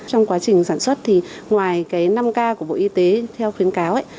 trong quá trình sản xuất thì ngoài cái năm k của bộ y tế theo khuyến cáo ấy